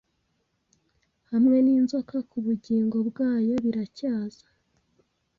hamwe ninzoka kubugingo bwayo Biracyaza